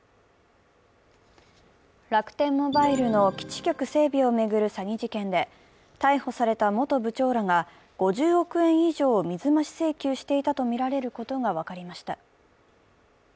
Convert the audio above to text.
楽天モバイルの基地局整備を巡る詐欺事件で、逮捕された元部長らが５０億円以上を水増し請求していたとみられることが分かりました。